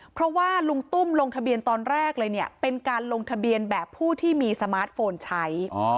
เพราะว่าลุงตุ้มลงทะเบียนตอนแรกเลยเนี่ยเป็นการลงทะเบียนแบบผู้ที่มีสมาร์ทโฟนใช้